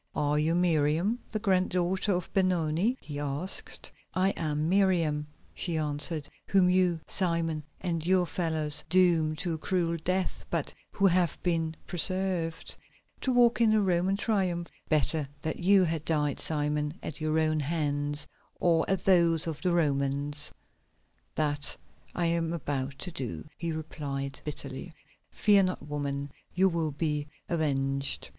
"Are you Miriam, the grand daughter of Benoni?" he asked. "I am Miriam," she answered, "whom you, Simon, and your fellows doomed to a cruel death, but who have been preserved——" "——To walk in a Roman Triumph. Better that you had died, maiden, at the hands of your own people." "Better that you had died, Simon, at your own hands, or at those of the Romans." "That I am about to do," he replied bitterly. "Fear not, woman, you will be avenged."